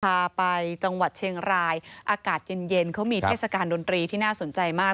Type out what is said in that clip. พาไปจังหวัดเชียงรายอากาศเย็นเย็นเขามีเทศกาลดนตรีที่น่าสนใจมาก